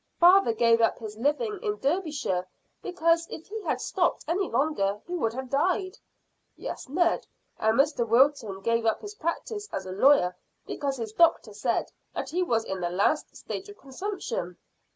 "Father gave up his living in Derbyshire because if he had stopped any longer he would have died." "Yes, Ned, and Mr Wilton gave up his practice as a lawyer because his doctor said that he was in the last stage of consumption."